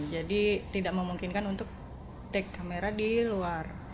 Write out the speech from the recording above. tidak memungkinkan untuk take kamera di luar